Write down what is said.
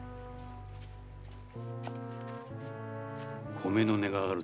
米の値が上がる